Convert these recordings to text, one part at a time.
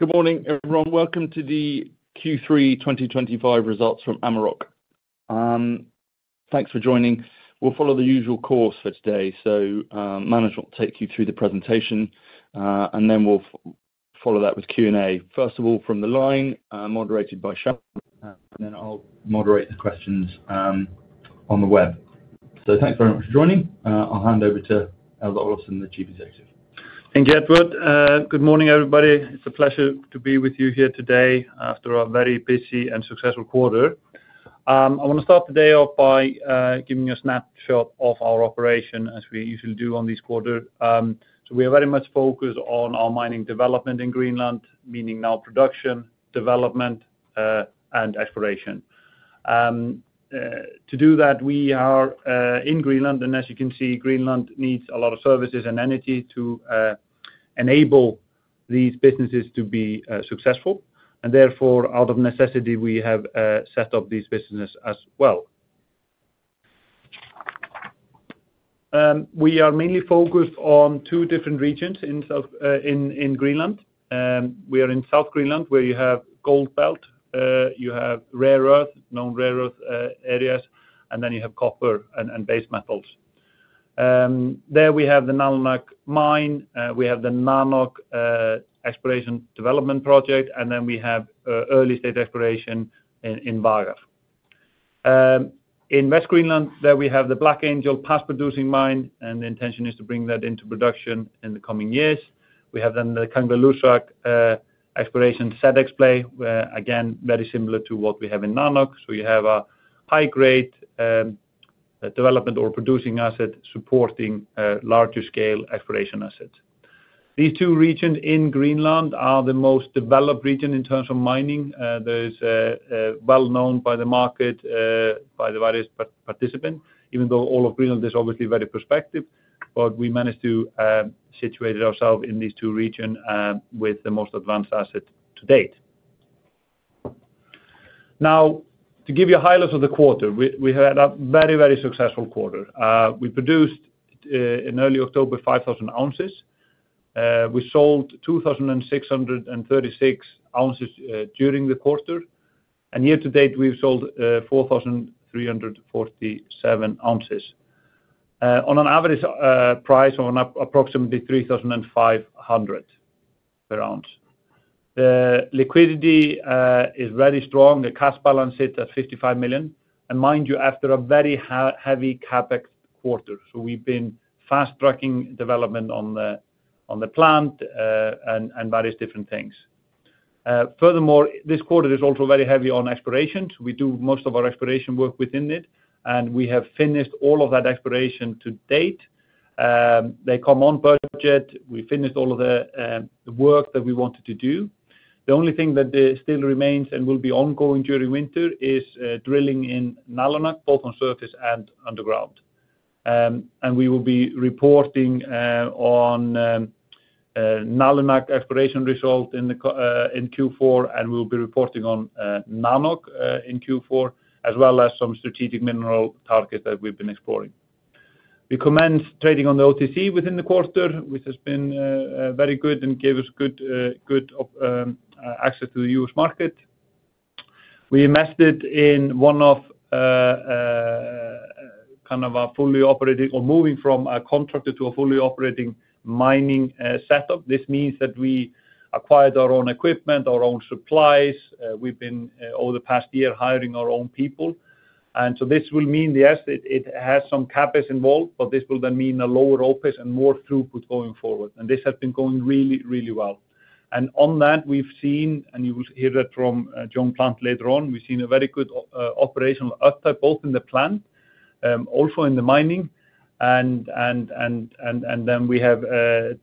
Good morning, everyone. Welcome to the Q3 2025 results from Amaroq. Thanks for joining. We'll follow the usual course for today, so Manos will take you through the presentation, and then we'll follow that with Q&A. First of all, from the line, moderated by Sharon, and then I'll moderate the questions on the web. Thanks very much for joining. I'll hand over to Eldur Olafsson, the Chief Executive. Thank you, Edward. Good morning, everybody. It's a pleasure to be with you here today after a very busy and successful quarter. I want to start the day off by giving you a snapshot of our operation as we usually do on these quarters. We are very much focused on our mining development in Greenland, meaning now production, development, and exploration. To do that, we are in Greenland, and as you can see, Greenland needs a lot of services and energy to enable these businesses to be successful. Therefore, out of necessity, we have set up these businesses as well. We are mainly focused on two different regions in South, in Greenland. We are in South Greenland, where you have Gold Belt, you have known rare earth areas, and then you have copper and base metals. There we have the Nalunaq mine, we have the Nanoq exploration development project, and then we have early stage exploration in Vagar. In West Greenland, there we have the Black Angel past producing mine, and the intention is to bring that into production in the coming years. We have then the Kangalusuk exploration set up, again, very similar to what we have in Nanoq. So you have a high-grade development or producing asset supporting larger scale exploration assets. These two regions in Greenland are the most developed region in terms of mining. There is, well known by the market, by the various participants, even though all of Greenland is obviously very prospective. But we managed to situate ourselves in these two regions, with the most advanced asset to date. Now, to give you a highlight of the quarter, we had a very, very successful quarter. We produced, in early October, 5,000 ounces. We sold 2,636 ounces during the quarter, and year to date, we have sold 4,347 ounces, on an average price of approximately $3,500 per ounce. The liquidity is very strong. The cash balance is at 55 million. Mind you, after a very heavy CapEx quarter, we have been fast tracking development on the plant, and various different things. Furthermore, this quarter is also very heavy on exploration. We do most of our exploration work within it, and we have finished all of that exploration to date. They come on budget. We finished all of the work that we wanted to do. The only thing that still remains and will be ongoing during winter is drilling in Nalunaq, both on surface and underground. We will be reporting on Nalunaq exploration result in Q4, and we will be reporting on Nanoq in Q4, as well as some strategic mineral targets that we have been exploring. We commenced trading on the OTC within the quarter, which has been very good and gave us good access to the US market. We invested in one of, kind of a fully operating or moving from a contractor to a fully operating mining setup. This means that we acquired our own equipment, our own supplies. We have been, over the past year, hiring our own people. This will mean the asset has some CapEx involved, but this will then mean a lower OPEX and more throughput going forward. This has been going really, really well. We have seen, and you will hear that from Joan Plant later on, a very good operational uptick, both in the plant and also in the mining. Then we have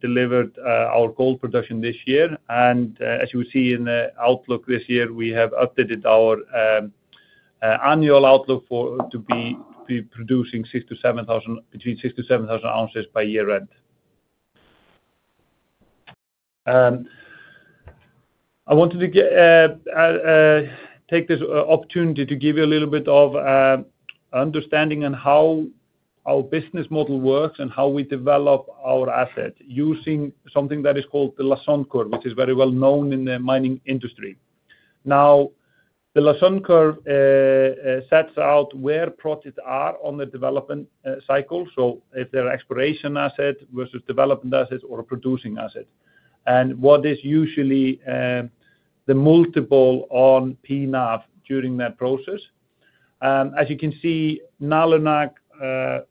delivered our gold production this year. As you will see in the outlook this year, we have updated our annual outlook to be producing between 6,000-7,000 ounces by year-end. I wanted to take this opportunity to give you a little bit of understanding on how our business model works and how we develop our assets using something that is called the Lasson Curve, which is very well known in the mining industry. The Lassonde Curve sets out where profits are on the development cycle. If there are exploration assets versus development assets or producing assets, and what is usually the multiple on PNAF during that process. As you can see, Nalunaq should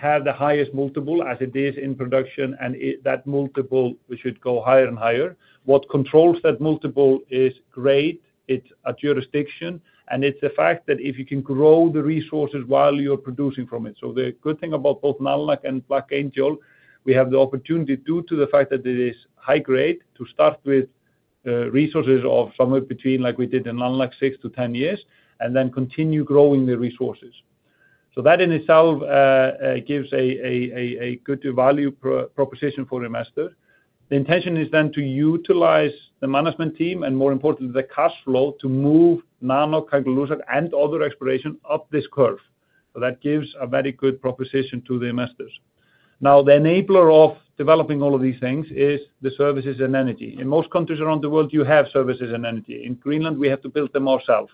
have the highest multiple as it is in production, and that multiple should go higher and higher. What controls that multiple is grade, it's a jurisdiction, and it's the fact that if you can grow the resources while you're producing from it. The good thing about both Nalunaq and Black Angel, we have the opportunity, due to the fact that it is high grade to start with, resources of somewhere between, like we did in Nalunaq, 6-10 years, and then continue growing the resources. That in itself gives a good value proposition for investors. The intention is then to utilize the management team and, more importantly, the cash flow to move Nanoq, Kangalusuk, and other exploration up this curve. That gives a very good proposition to the investors. Now, the enabler of developing all of these things is the services and energy. In most countries around the world, you have services and energy. In Greenland, we have to build them ourselves.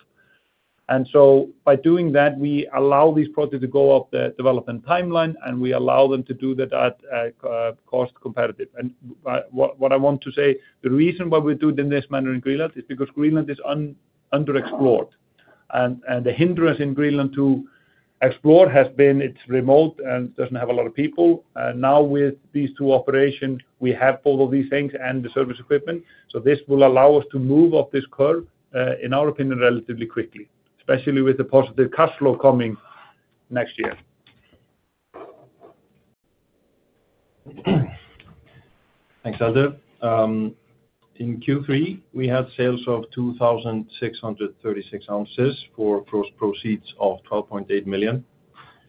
By doing that, we allow these projects to go up the development timeline, and we allow them to do that at cost-competitive. What I want to say, the reason why we do it in this manner in Greenland is because Greenland is underexplored. The hindrance in Greenland to explore has been it's remote and does not have a lot of people. Now with these two operations, we have all of these things and the service equipment. This will allow us to move up this curve, in our opinion, relatively quickly, especially with the positive cash flow coming next year. Thanks, Eldur. In Q3, we had sales of 2,636 ounces for gross proceeds of $12.8 million,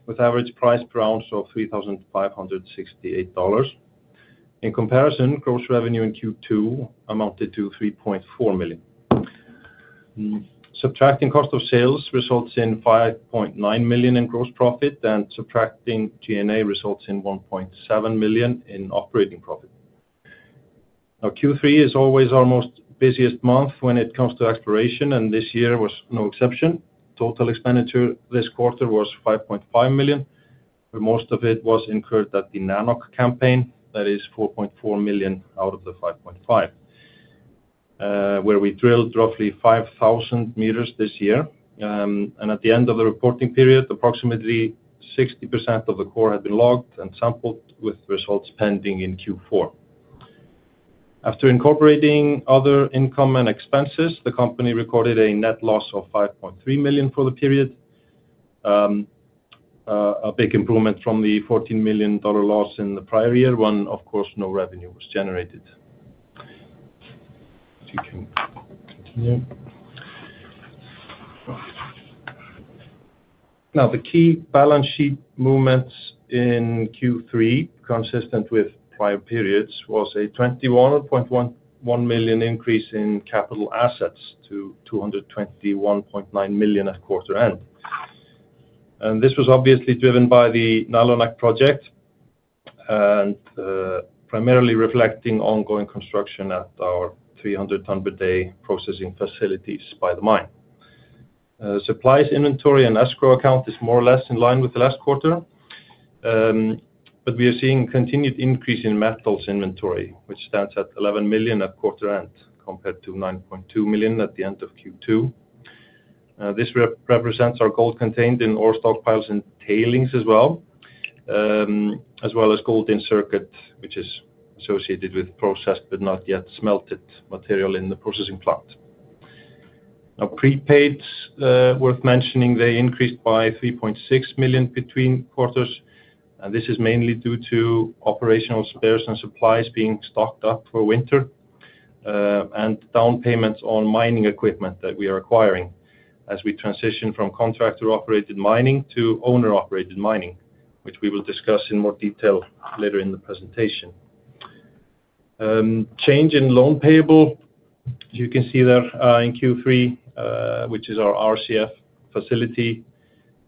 with average price per ounce of $3,568. In comparison, gross revenue in Q2 amounted to $3.4 million. Subtracting cost of sales results in $5.9 million in gross profit, and subtracting G&A results in $1.7 million in operating profit. Now, Q3 is always our most busiest month when it comes to exploration, and this year was no exception. Total expenditure this quarter was $5.5 million, where most of it was incurred at the Nanoq campaign. That is $4.4 million out of the $5.5 million, where we drilled roughly 5,000 meters this year. And at the end of the reporting period, approximately 60% of the core had been logged and sampled with results pending in Q4. After incorporating other income and expenses, the company recorded a net loss of $5.3 million for the period. A big improvement from the $14 million loss in the prior year when, of course, no revenue was generated. If you can continue. Now, the key balance sheet movements in Q3, consistent with prior periods, was a 21.11 million increase in capital assets to 221.9 million at quarter end. This was obviously driven by the Nalunaq project and primarily reflecting ongoing construction at our 300-ton per day processing facilities by the mine. Supplies inventory and escrow account is more or less in line with the last quarter. We are seeing continued increase in metals inventory, which stands at 11 million at quarter end compared to 9.2 million at the end of Q2. This represents our gold contained in ore stockpiles and tailings as well as gold in circuit, which is associated with processed but not yet smelted material in the processing plant. Now, prepaids, worth mentioning, they increased by $3.6 million between quarters, and this is mainly due to operational spares and supplies being stocked up for winter, and down payments on mining equipment that we are acquiring as we transition from contractor-operated mining to owner-operated mining, which we will discuss in more detail later in the presentation. Change in loan payable, as you can see there, in Q3, which is our RCF facility,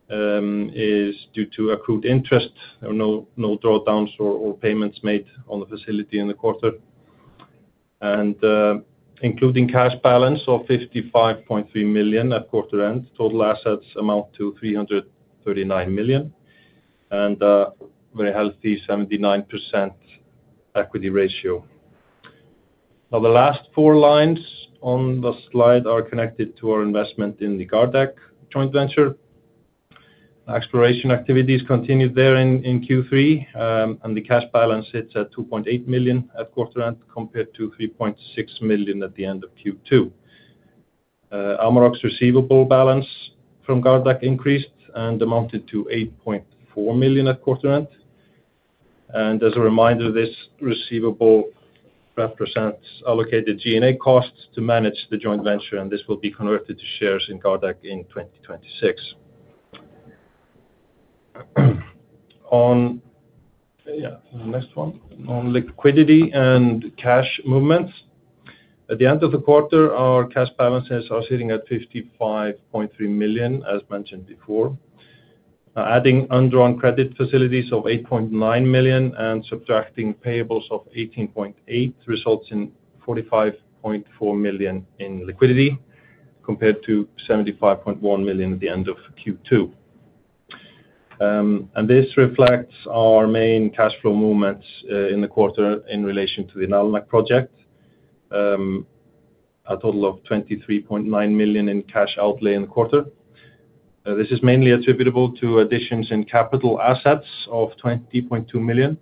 is due to accrued interest. There are no drawdowns or payments made on the facility in the quarter. Including cash balance of $55.3 million at quarter end, total assets amount to $339 million and very healthy 79% equity ratio. Now, the last four lines on the slide are connected to our investment in the Gardec joint venture. Exploration activities continued there in Q3, and the cash balance sits at 2.8 million at quarter end compared to 3.6 million at the end of Q2. Amaroq's receivable balance from Gardec increased and amounted to 8.4 million at quarter end. As a reminder, this receivable represents allocated G&A costs to manage the joint venture, and this will be converted to shares in Gardec in 2026. On liquidity and cash movements, at the end of the quarter, our cash balances are sitting at 55.3 million, as mentioned before. Now, adding underground credit facilities of 8.9 million and subtracting payables of 18.8 million results in 45.4 million in liquidity compared to 75.1 million at the end of Q2. This reflects our main cash flow movements in the quarter in relation to the Nalunaq project, a total of 23.9 million in cash outlay in the quarter. This is mainly attributable to additions in capital assets of 20.2 million,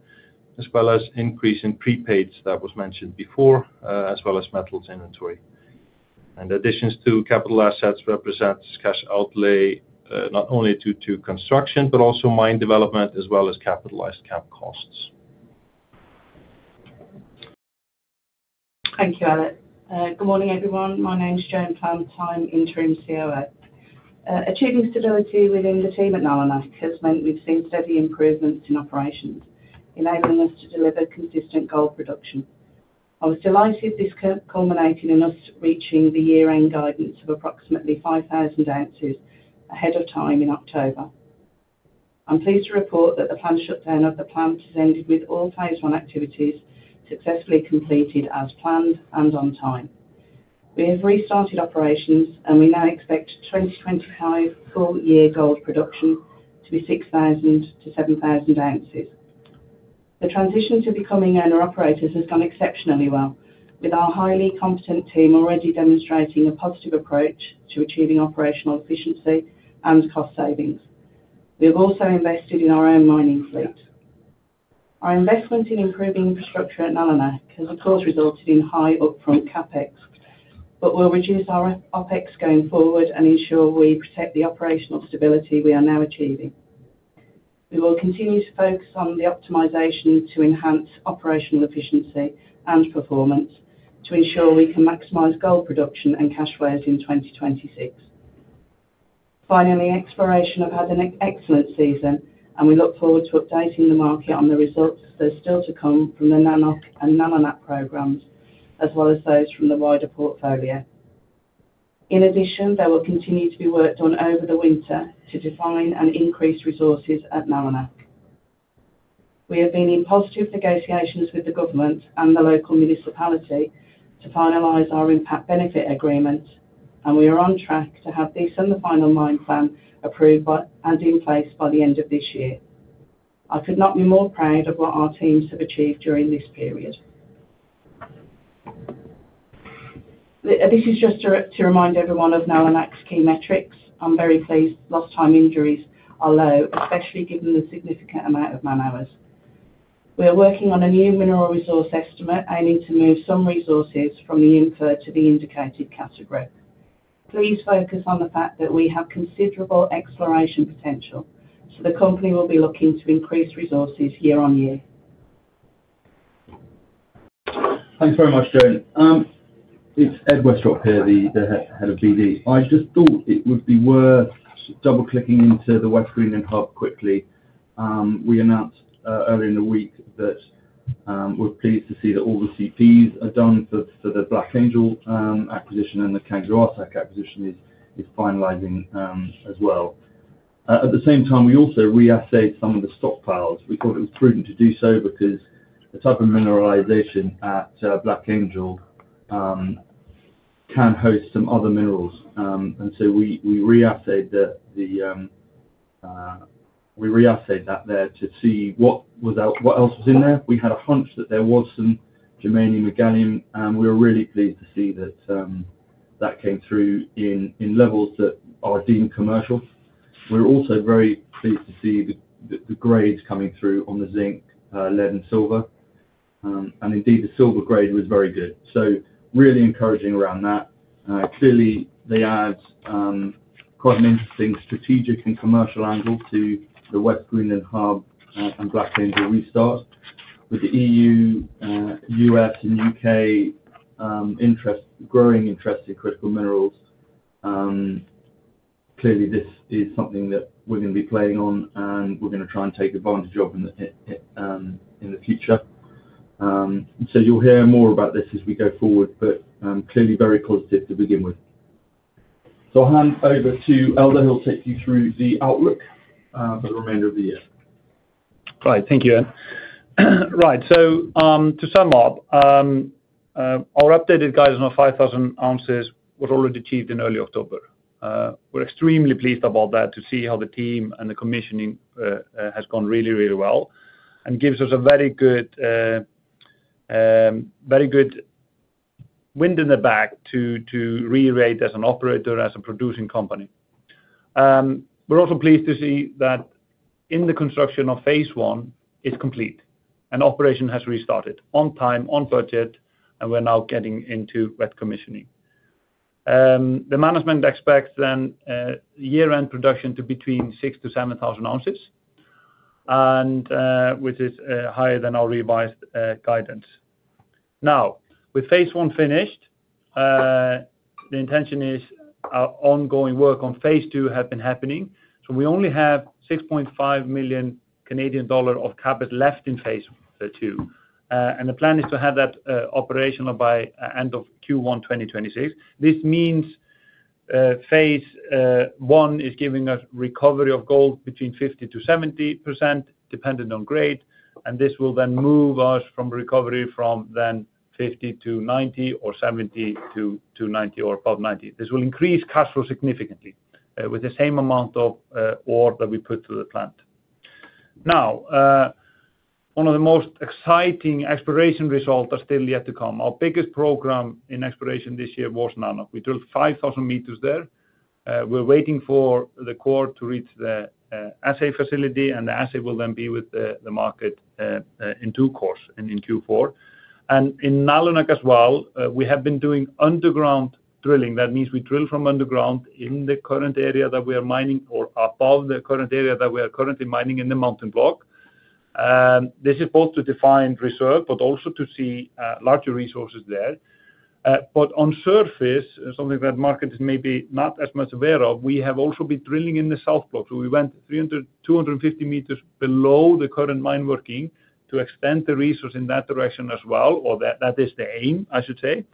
as well as increase in prepaids that was mentioned before, as well as metals inventory. Additions to capital assets represents cash outlay, not only due to construction but also mine development, as well as capitalized CapEx costs. Thank you, Ellert. Good morning, everyone. My name's Joan Plant. I'm Interim COO. Achieving stability within the team at Nalunaq has meant we've seen steady improvements in operations, enabling us to deliver consistent gold production. I was delighted this culminated in us reaching the year-end guidance of approximately 5,000 ounces ahead of time in October. I'm pleased to report that the planned shutdown of the plant has ended with all phase one activities successfully completed as planned and on time. We have restarted operations, and we now expect 2025 full year gold production to be 6,000-7,000 ounces. The transition to becoming owner-operators has gone exceptionally well, with our highly competent team already demonstrating a positive approach to achieving operational efficiency and cost savings. We have also invested in our own mining fleet. Our investment in improving infrastructure at Nalunaq has, of course, resulted in high upfront CapEx, but we'll reduce our OpEx going forward and ensure we protect the operational stability we are now achieving. We will continue to focus on the optimization to enhance operational efficiency and performance to ensure we can maximize gold production and cash flows in 2026. Finally, exploration have had an excellent season, and we look forward to updating the market on the results that are still to come from the Nanoq and Nalunaq programs, as well as those from the wider portfolio. In addition, there will continue to be work done over the winter to define and increase resources at Nalunaq. We have been in positive negotiations with the government and the local municipality to finalize our impact benefit agreement, and we are on track to have this and the final mine plan approved and in place by the end of this year. I could not be more proud of what our teams have achieved during this period. This is just to remind everyone of Nalunaq's key metrics. I'm very pleased last-time injuries are low, especially given the significant amount of man hours. We are working on a new mineral resource estimate, aiming to move some resources from the inferred to the indicated category. Please focus on the fact that we have considerable exploration potential, so the company will be looking to increase resources year on year. Thanks very much, Joan. It's Edward Westropp here, the head of BD. I just thought it would be worth double-clicking into the West Greenland Hub quickly. We announced early in the week that we're pleased to see that all the CPs are done for the Black Angel acquisition and the Kangalusuk acquisition is finalizing as well. At the same time, we also re-assayed some of the stockpiles. We thought it was prudent to do so because the type of mineralization at Black Angel can host some other minerals. We reassayed that there to see what else was in there. We had a hunch that there was some germanium and gallium, and we were really pleased to see that came through in levels that are deemed commercial. We were also very pleased to see the grades coming through on the zinc, lead and silver, and indeed, the silver grade was very good. Really encouraging around that. Clearly, they add quite an interesting strategic and commercial angle to the West Greenland Hub and Black Angel restart. With the EU, U.S., and U.K. interest, growing interest in critical minerals, clearly, this is something that we're going to be playing on, and we're going to try and take advantage of in the future. You'll hear more about this as we go forward, but clearly, very positive to begin with. I'll hand over to Eldur. He'll take you through the outlook for the remainder of the year. Right. Thank you, Ed. Right. To sum up, our updated guidance on 5,000 ounces was already achieved in early October. We're extremely pleased about that to see how the team and the commissioning has gone really, really well and gives us a very good, very good wind in the back to reiterate as an operator and as a producing company. We're also pleased to see that in the construction of phase one, it's complete and operation has restarted on time, on budget, and we're now getting into red commissioning. The management expects then, year-end production to be between 6,000-7,000 ounces, which is higher than our revised guidance. Now, with phase one finished, the intention is our ongoing work on phase two has been happening, so we only have 6.5 million Canadian dollar of capital left in phase two. and the plan is to have that operational by end of Q1 2026. This means phase one is giving us recovery of gold between 50-70% dependent on grade, and this will then move us from recovery from then 50-90% or 70-90% or above 90%. This will increase cash flow significantly, with the same amount of ore that we put through the plant. Now, one of the most exciting exploration results are still yet to come. Our biggest program in exploration this year was Nanoq. We drilled 5,000 meters there. we're waiting for the core to reach the assay facility, and the assay will then be with the market in due course and in Q4. And in Nalunaq as well, we have been doing underground drilling. That means we drill from underground in the current area that we are mining or above the current area that we are currently mining in the mountain block. This is both to define reserve but also to see larger resources there. On surface, something that market is maybe not as much aware of, we have also been drilling in the south block. We went 300-250 meters below the current mine working to extend the resource in that direction as well, or that is the aim, I should say.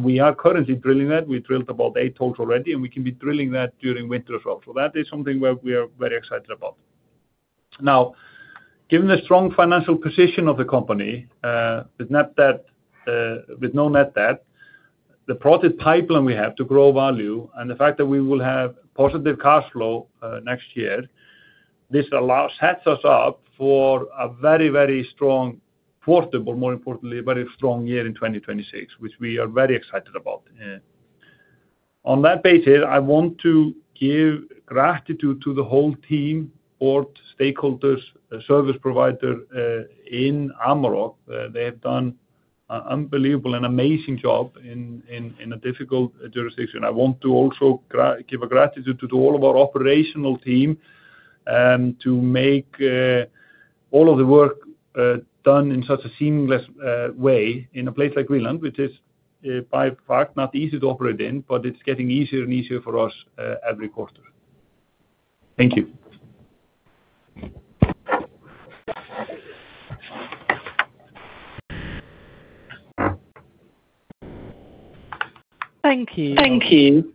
We are currently drilling that. We drilled about eight holes already, and we can be drilling that during winter as well. That is something where we are very excited about. Now, given the strong financial position of the company, with no net debt, the project pipeline we have to grow value and the fact that we will have positive cash flow next year, this allows, sets us up for a very, very strong quarter but more importantly, a very strong year in 2026, which we are very excited about. On that basis, I want to give gratitude to the whole team, board, stakeholders, service provider, in Amaroq. They have done an unbelievable and amazing job in a difficult jurisdiction. I want to also give gratitude to all of our operational team, to make all of the work done in such a seamless way in a place like Greenland, which is, by fact, not easy to operate in, but it's getting easier and easier for us every quarter. Thank you. Thank you.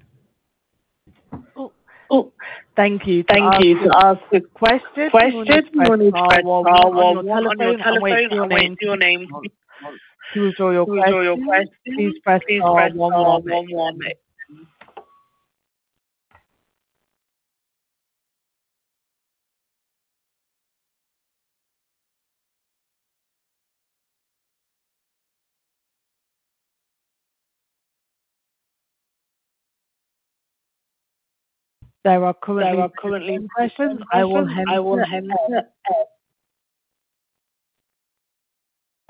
Thank you. Oh, thank you. Thank you for asking the question. Question. One moment. Two or three questions.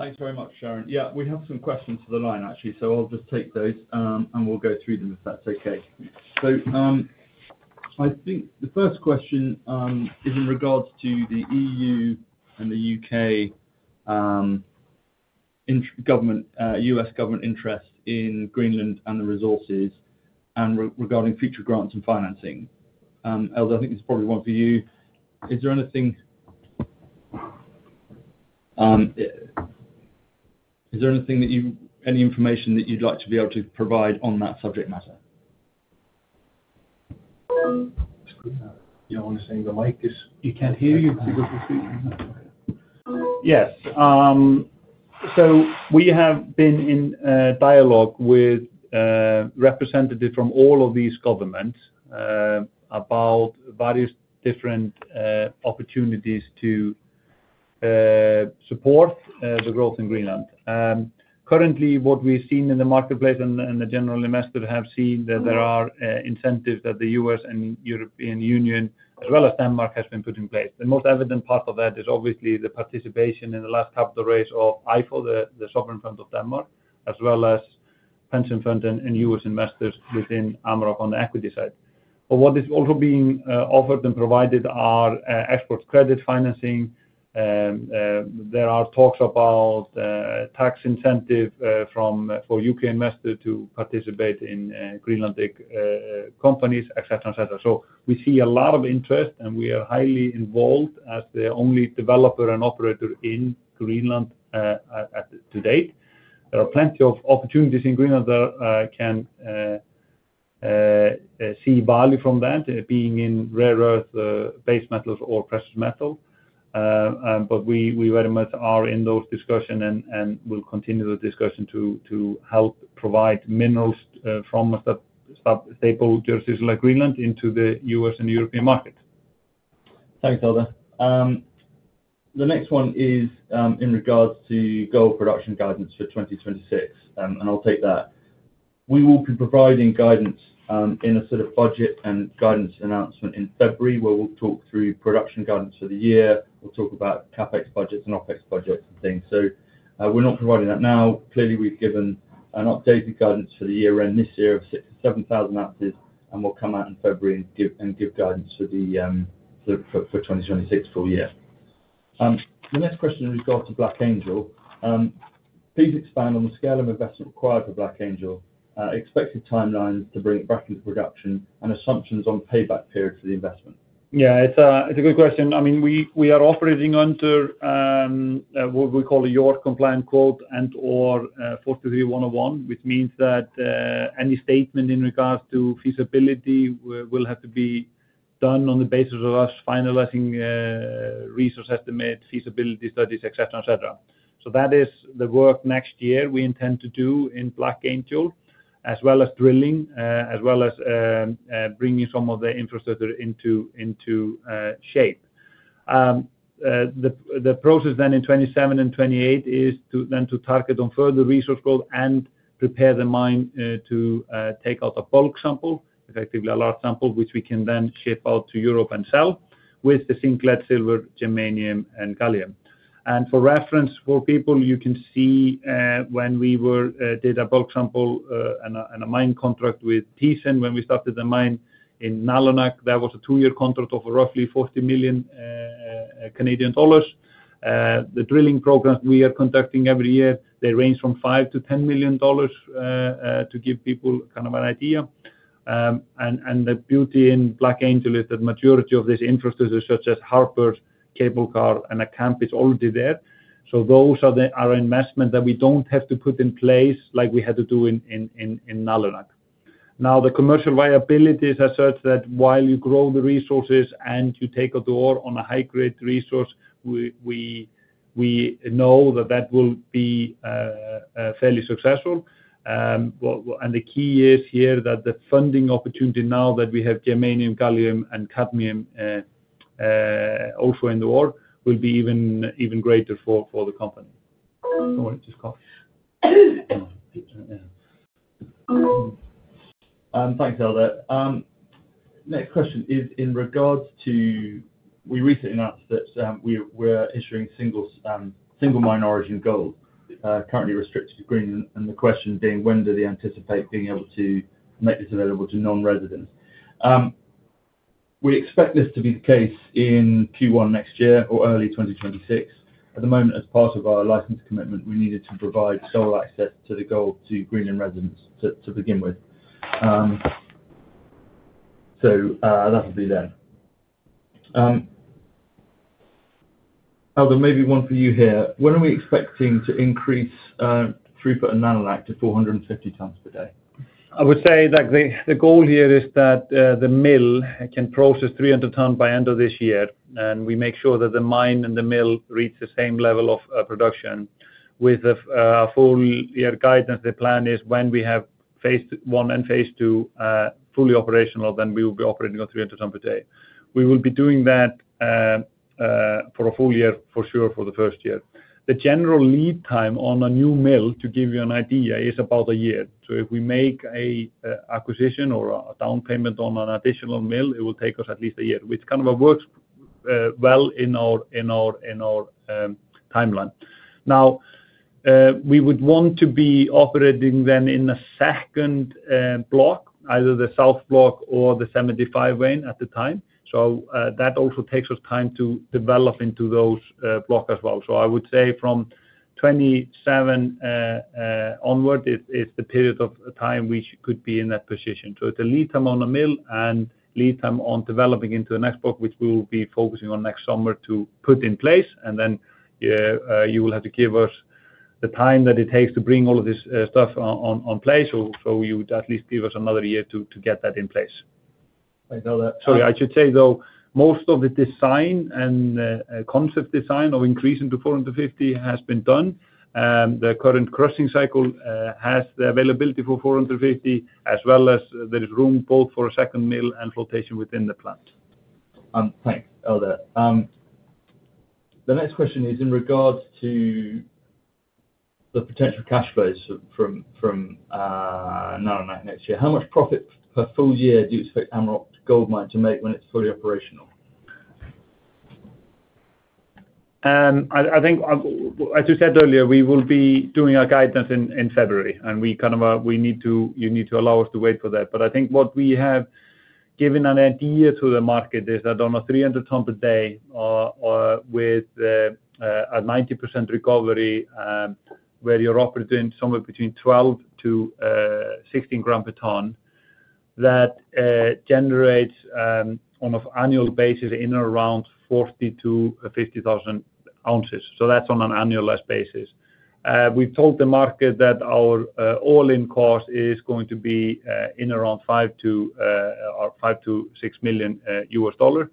Thanks very much, Sharon. Yeah, we have some questions to the line, actually, so I'll just take those, and we'll go through them if that's okay. I think the first question is in regards to the EU and the U.K., intergovernment, U.S. government interest in Greenland and the resources and regarding future grants and financing. Eldur, I think this is probably one for you. Is there anything, is there anything that you, any information that you'd like to be able to provide on that subject matter? Yeah, I want to say the mic is, you can't hear you. Yes. Yes. So we have been in dialogue with representatives from all of these governments about various different opportunities to support the growth in Greenland. Currently, what we've seen in the marketplace and the general investor have seen that there are incentives that the US and European Union, as well as Denmark, has been put in place. The most evident part of that is obviously the participation in the last capital raise of IFU, the sovereign fund of Denmark, as well as pension fund and US investors within Amaroq on the equity side. What is also being offered and provided are export credit financing. There are talks about tax incentive from, for U.K. investor to participate in Greenlandic companies, etc., etc. We see a lot of interest, and we are highly involved as the only developer and operator in Greenland to date. There are plenty of opportunities in Greenland that can see value from that, being in rare earth, base metals or precious metal. We very much are in those discussions and will continue the discussion to help provide minerals from a stable jurisdiction like Greenland into the US and European market. Thanks, Eldur. The next one is in regards to gold production guidance for 2026. I'll take that. We will be providing guidance in a sort of budget and guidance announcement in February where we'll talk through production guidance for the year. We'll talk about CapEx budgets and OpEx budgets and things. We're not providing that now. Clearly, we've given an updated guidance for the year-end this year of 6,000-7,000 ounces, and we'll come out in February and give guidance for the 2026 full year. The next question in regards to Black Angel, please expand on the scale of investment required for Black Angel, expected timelines to bring it back into production, and assumptions on payback period for the investment. Yeah, it's a good question. I mean, we are operating under what we call a JORC compliant quote and/or NI 43-101, which means that any statement in regards to feasibility will have to be done on the basis of us finalizing resource estimates, feasibility studies, etc., etc. That is the work next year we intend to do in Black Angel, as well as drilling, as well as bringing some of the infrastructure into shape. The process then in 2027 and 2028 is to then target on further resource growth and prepare the mine to take out a bulk sample, effectively a large sample, which we can then ship out to Europe and sell with the zinc, lead, silver, germanium, and gallium. For reference for people, you can see, when we did a bulk sample and a mine contract with TSEN when we started the mine in Nalunaq, that was a two-year contract of roughly 40 million Canadian dollars. The drilling programs we are conducting every year, they range from 5 million-10 million dollars, to give people kind of an idea. The beauty in Black Angel is that majority of this infrastructure, such as harbors, cable car, and a camp, is already there. Those are investments that we do not have to put in place like we had to do in Nalunaq. Now, the commercial viability is such that while you grow the resources and you take out the ore on a high-grade resource, we know that that will be fairly successful. The key is here that the funding opportunity now that we have germanium, gallium, and cadmium also in the ore will be even, even greater for the company. Don't want to just cough. Thanks, Eldur. Next question is in regards to, we recently announced that we're issuing single-mine origin gold, currently restricted to Greenland, and the question being, when do they anticipate being able to make this available to non-residents? We expect this to be the case in Q1 next year or early 2026. At the moment, as part of our license commitment, we needed to provide sole access to the gold to Greenland residents to begin with. That'll be then. Eldur, maybe one for you here. When are we expecting to increase throughput in Nalunaq to 450 tonnes per day? I would say that the goal here is that the mill can process 300 tonnes by end of this year, and we make sure that the mine and the mill reach the same level of production. With our full-year guidance, the plan is when we have phase one and phase two fully operational, then we will be operating on 300 tonnes per day. We will be doing that for a full year for sure for the first year. The general lead time on a new mill, to give you an idea, is about a year. If we make an acquisition or a down payment on an additional mill, it will take us at least a year, which kind of works well in our timeline. Now, we would want to be operating then in a second block, either the south block or the 75-way at the time. That also takes us time to develop into those blocks as well. I would say from 2027 onward, it's the period of time we could be in that position. It's a lead time on a mill and lead time on developing into the next block, which we will be focusing on next summer to put in place. You will have to give us the time that it takes to bring all of this stuff on place. You would at least give us another year to get that in place. Thanks, Elder. Sorry, I should say though, most of the design and concept design of increasing to 450 has been done. The current crossing cycle has the availability for 450, as well as there is room both for a second mill and flotation within the plant. Thanks, Eldur. The next question is in regards to the potential cash flows from Nalunaq next year. How much profit per full year do you expect Amaroq Gold Mine to make when it's fully operational? I think, as we said earlier, we will be doing our guidance in February, and we kind of, we need to, you need to allow us to wait for that. I think what we have given an idea to the market is that on a 300-ton per day, with a 90% recovery, where you are operating somewhere between 12-16 grams per tonne, that generates, on an annual basis, in and around 40,000-50,000 ounces. That is on an annualized basis. We have told the market that our all-in cost is going to be in around $5 million-$6 million, US dollars,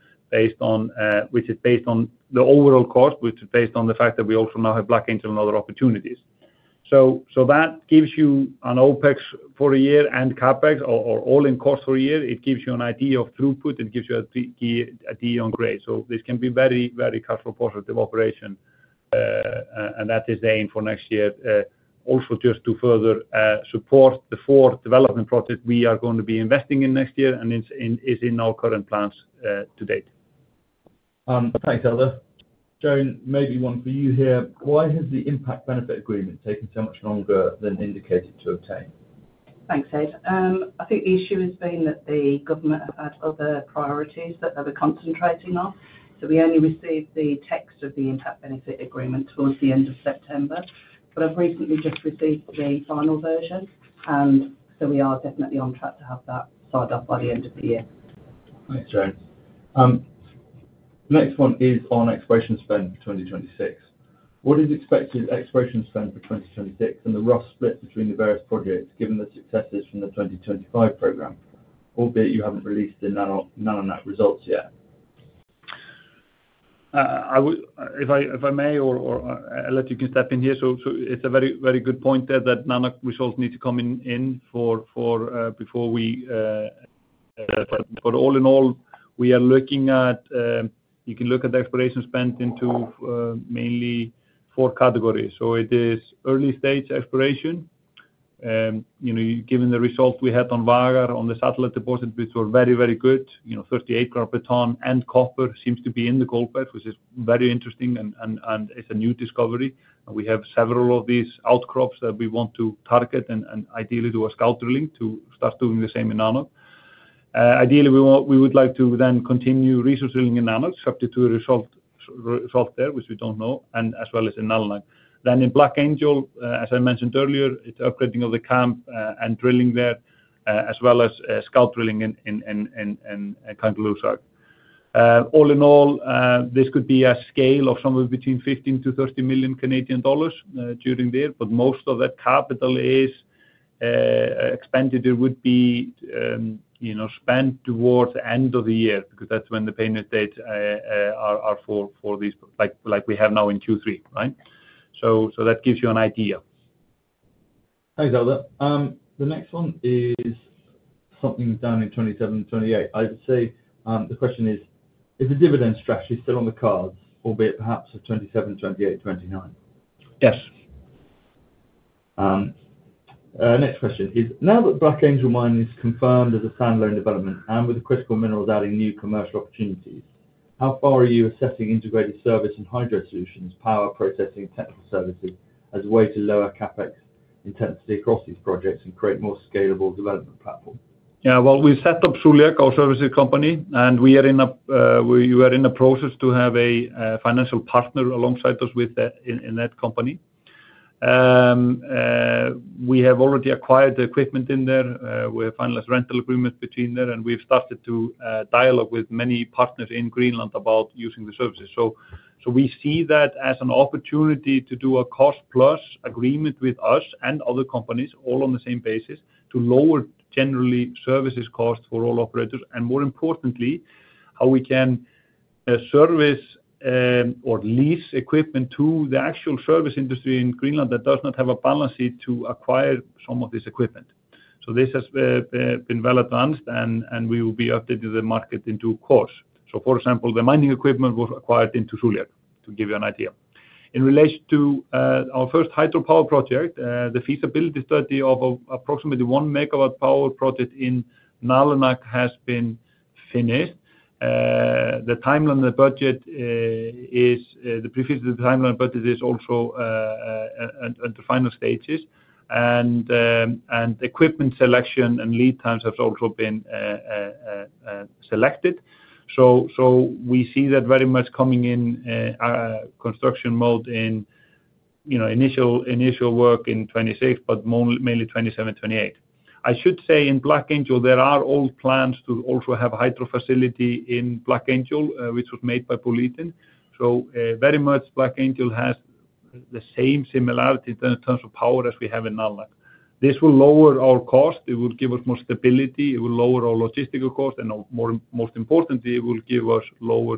which is based on the overall cost, which is based on the fact that we also now have Black Angel and other opportunities. That gives you an OPEX for a year and CapEx or all-in cost for a year. It gives you an idea of throughput. It gives you an idea on grade. This can be very, very cash-flow positive operation, and that is the aim for next year, also just to further support the four development projects we are going to be investing in next year and it is in our current plans to date. thanks, Elder. Joan, maybe one for you here. Why has the impact benefit agreement taken so much longer than indicated to obtain? Thanks, Ed. I think the issue has been that the government have had other priorities that they were concentrating on. We only received the text of the impact benefit agreement towards the end of September, but I've recently just received the final version, and we are definitely on track to have that signed up by the end of the year. Thanks, Joan. Next one is on exploration spend for 2026. What is expected exploration spend for 2026 and the rough split between the various projects given the successes from the 2025 program, albeit you haven't released the Nanoq, Nalunaq results yet? I would, if I may, or, or, Ellert, you can step in here. It is a very, very good point there that Nanoq results need to come in for, for, before we, but all in all, we are looking at, you can look at the exploration spend into mainly four categories. It is early-stage exploration. You know, given the results we had on Vagar, on the satellite deposit, which were very, very good, you know, 38 grams per tonne and copper seems to be in the Gold Belt, which is very interesting and, and, and it is a new discovery. We have several of these outcrops that we want to target and, and ideally do a scout drilling to start doing the same in Nanoq. Ideally, we want, we would like to then continue resource drilling in Nanoq subject to a result, result there, which we do not know, and as well as in Nalunaq. Then in Black Angel, as I mentioned earlier, it is upgrading of the camp, and drilling there, as well as scout drilling in Kangalusuk. All in all, this could be a scale of somewhere between 15 million-30 million Canadian dollars during the year. Most of that capital expenditure would be, you know, spent towards the end of the year because that is when the payment dates are for these, like we have now in Q3, right? That gives you an idea. Thanks, Eldur. The next one is something done in 2027, 2028. I'd say, the question is, is the dividend strategy still on the cards, albeit perhaps of 2027, 2028, 2029? Yes. Next question is, now that Black Angel mine is confirmed as a standalone development and with the critical minerals adding new commercial opportunities, how far are you assessing integrated service and hydro solutions, power processing, technical services as a way to lower CapEx intensity across these projects and create more scalable development platform? Yeah, we've set up Sulek, our services company, and we are in a, we were in the process to have a financial partner alongside us in that company. We have already acquired the equipment in there. We have finalized rental agreements between there, and we've started to dialogue with many partners in Greenland about using the services. We see that as an opportunity to do a cost-plus agreement with us and other companies, all on the same basis, to lower generally services costs for all operators. More importantly, how we can service or lease equipment to the actual service industry in Greenland that does not have a balance sheet to acquire some of this equipment. This has been well advanced, and we will be updating the market in due course. For example, the mining equipment was acquired into Sulek, to give you an idea. In relation to our first hydropower project, the feasibility study of approximately 1 megawatt power project in Nalunaq has been finished. The timeline and the budget, the previous timeline and budget, is also at the final stages. Equipment selection and lead times have also been selected. We see that very much coming in construction mode in, you know, initial work in 2026, but mainly 2027-2028. I should say in Black Angel, there are old plans to also have a hydro facility in Black Angel, which was made by Pulitin. Very much Black Angel has the same similarity in terms of power as we have in Nalunaq. This will lower our cost. It will give us more stability. It will lower our logistical cost. More, most importantly, it will give us lower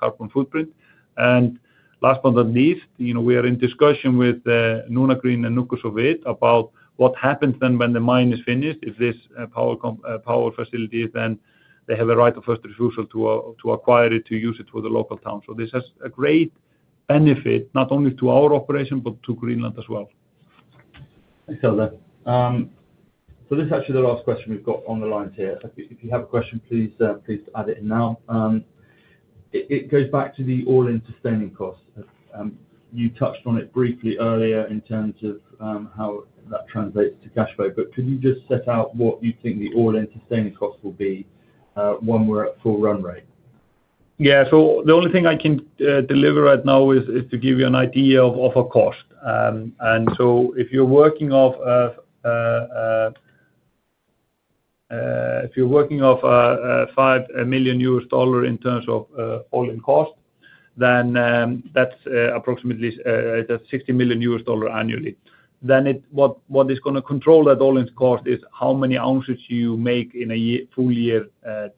carbon footprint. Last but not least, you know, we are in discussion with Nunagreen and Nukosovit about what happens then when the mine is finished. If this power facility is then, they have a right of first refusal to acquire it, to use it for the local town. This has a great benefit not only to our operation, but to Greenland as well. Thanks, Eldur. This is actually the last question we've got on the lines here. If you have a question, please, please add it in now. It goes back to the all-in sustaining cost. You touched on it briefly earlier in terms of how that translates to cash flow. Could you just set out what you think the all-in sustaining cost will be when we're at full run rate? Yeah. The only thing I can deliver right now is to give you an idea of a cost. If you're working off $5 million in terms of all-in cost, then that's approximately $60 million annually. What is going to control that all-in cost is how many ounces you make in a year, full-year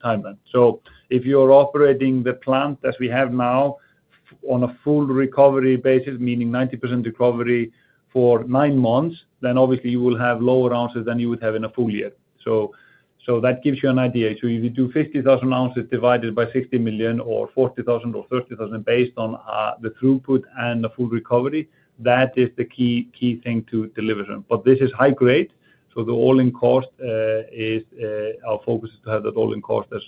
timeline. If you are operating the plant as we have now on a full recovery basis, meaning 90% recovery for nine months, obviously you will have lower ounces than you would have in a full year. That gives you an idea. If you do 50,000 ounces divided by $60 million or 40,000 or 30,000 based on the throughput and the full recovery, that is the key thing to deliver on. This is high grade. So the all-in cost, is, our focus is to have that all-in cost as,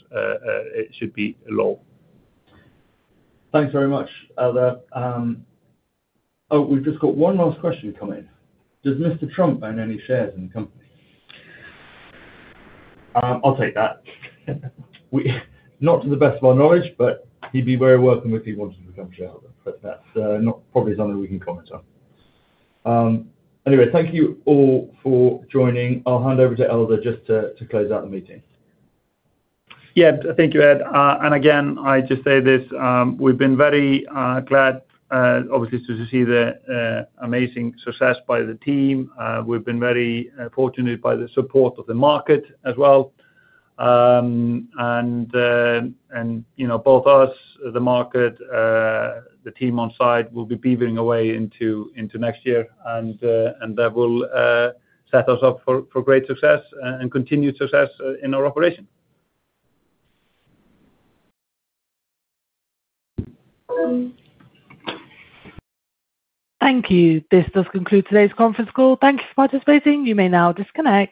it should be low. Thanks very much, Eldur. Oh, we've just got one last question coming in. Does Mr. Trump own any shares in the company? I'll take that. We, not to the best of our knowledge, but he'd be very welcome if he wanted to become a shareholder. That's not probably something we can comment on. Anyway, thank you all for joining. I'll hand over to Eldur just to close out the meeting. Yeah, thank you, Ed. I just say this, we've been very glad, obviously, to see the amazing success by the team. We've been very fortunate by the support of the market as well. You know, both us, the market, the team on site will be beavering away into next year. That will set us up for great success and continued success in our operation. Thank you. This does conclude today's conference call. Thank you for participating. You may now disconnect.